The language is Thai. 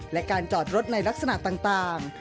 และการจอดรถในลักษณะต่าง